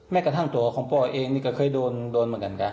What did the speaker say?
กระทั่งตัวของพ่อเองนี่ก็เคยโดนเหมือนกันค่ะ